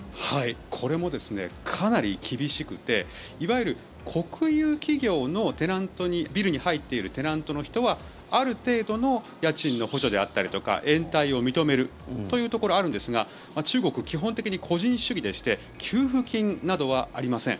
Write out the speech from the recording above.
これもかなり厳しくていわゆる国有企業のビルに入っているテナントの人はある程度の家賃の補助であったりとか延滞を認めるというところがあるんですが中国は基本的に個人主義でして給付金などはありません。